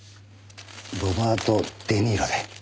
ロバート・デ・ニーロで。